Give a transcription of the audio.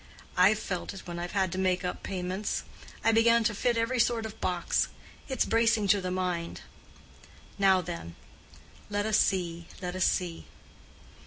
I've felt it when I've had to make up payments. I began to fit every sort of box. It's bracing to the mind. Now then! let us see, let us see."